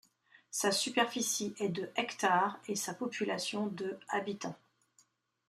Sa superficie est de hectares et sa population de habitants.